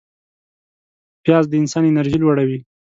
پیاز د انسان انرژي لوړوي